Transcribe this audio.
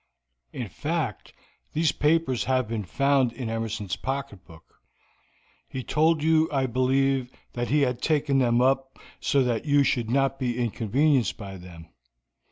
In fact, these papers have been found in Emerson's pocketbook; he told you, I believe, that he had taken them up, so that you should not be inconvenienced by them.